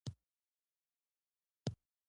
ویل کېږي چي قانون جوړونکې هم کله، کله قانون هېروي.